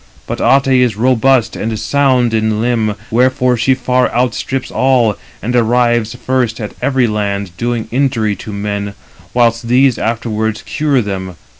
But Ate is robust and sound in limb, wherefore she far outstrips all, and arrives first at every land, doing injury to men; whilst these afterwards cure them.